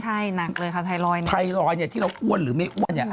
ใช่หนักเลยค่ะไทรอยด์ไทรอยด์เนี่ยที่เราอ้วนหรือไม่อ้วนเนี่ย